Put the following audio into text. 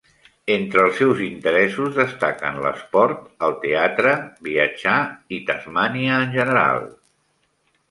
Entre els seus interessos destaquen l'esport, el teatre, viatjar i Tasmània en general.